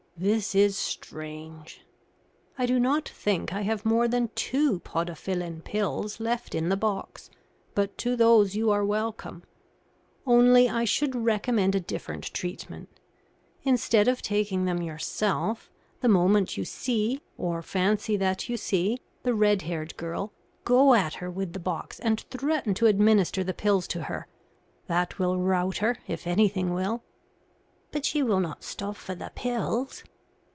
"This is strange. I do not think I have more than two podophyllin pills left in the box, but to those you are welcome. Only I should recommend a different treatment. Instead of taking them yourself, the moment you see, or fancy that you see, the red haired girl, go at her with the box and threaten to administer the pills to her. That will rout her, if anything will." "But she will not stop for the pills."